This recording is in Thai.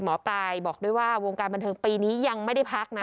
หมอปลายบอกด้วยว่าวงการบันเทิงปีนี้ยังไม่ได้พักนะ